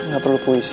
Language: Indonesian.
gak perlu puisi